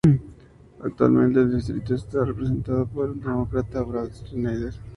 Actualmente el distrito está representado por el Demócrata Brad Schneider.